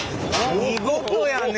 見事やね！